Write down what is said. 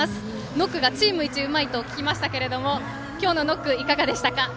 ノックがチームいちうまいと聞きましたけども今日のノック、いかがでしたか。